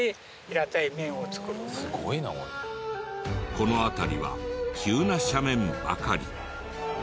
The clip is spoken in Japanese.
この辺りは急な斜面ばかり。